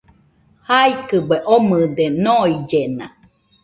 Jaɨkɨbe omɨde noillena